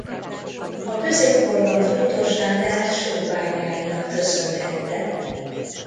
A középkorban fontosságát sóbányáinak köszönhette.